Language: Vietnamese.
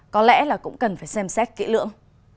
có lẽ là cũng cần phải xem xét kỹ lưỡng